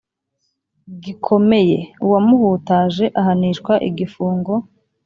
gikomeye uwamuhutaje ahanishwa igifungo